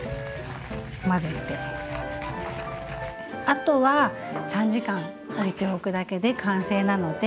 あとは３時間おいておくだけで完成なので。